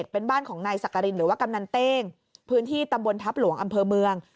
เป็นบ้านของนายสักกรินหรือว่ากำนันเต้งพื้นที่ตำบลทัพหลวงอำเภอเมือง